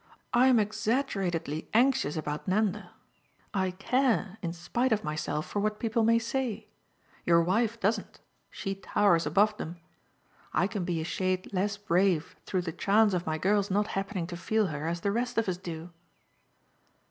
I'm exaggeratedly anxious about Nanda. I care, in spite of myself, for what people may say. Your wife doesn't she towers above them. I can be a shade less brave through the chance of my girl's not happening to feel her as the rest of us do."